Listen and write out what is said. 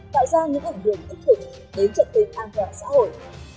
tạo ra những ảnh hưởng ích hữu đến trận tình an toàn xã hội